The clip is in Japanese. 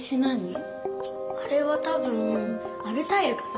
あれは多分アルタイルかな。